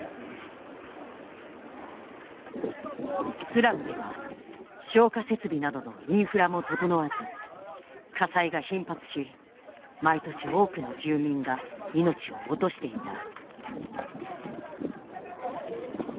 スラムでは消火設備などのインフラも整わず火災が頻発し毎年多くの住民が命を落としていた。